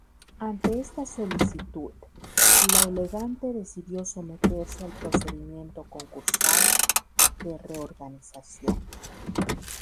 Ante esta solicitud, La Elegante decidió someterse al procedimiento concursal de reorganización.